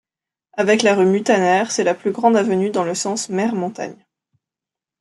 Avec la rue Muntaner, c'est la plus grande avenue dans le sens mer-montagne.